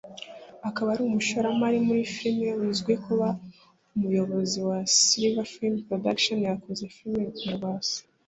akaba ari umushoramari muri filime uzwi kuba umuyobozi wa Silver Film Production yakoze filime nka Rwasa